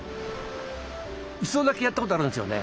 一度だけやったことあるんですよね。